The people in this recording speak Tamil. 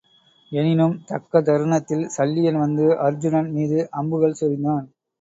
எனினும் தக்க தருணத்தில் சல்லியன் வந்து அருச்சுனன் மீது அம்புகள் சொரிந்தான்.